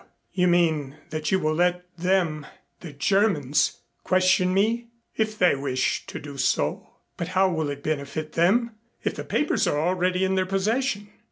"You mean that you will let them the Germans question me?" "If they wish to do so." "But how will it benefit them, if the papers are already in their possession?"